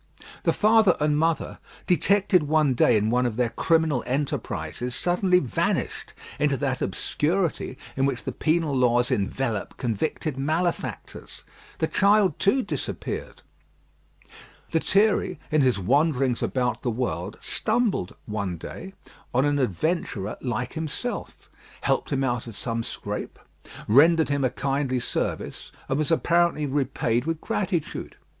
The father and mother, detected one day in one of their criminal enterprises, suddenly vanished into that obscurity in which the penal laws envelop convicted malefactors. The child, too, disappeared. Lethierry, in his wanderings about the world, stumbled, one day, on an adventurer like himself; helped him out of some scrape; rendered him a kindly service, and was apparently repaid with gratitude.